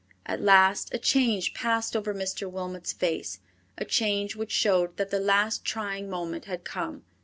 At last a change passed over Mr. Wilmot's face, a change which showed that the last trying moment had come.